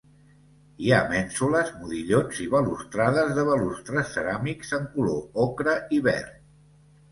Hi ha mènsules, modillons i balustrades de balustres ceràmics, en color ocre i verd.